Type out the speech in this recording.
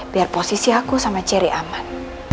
biar posisi aku sama ceri aman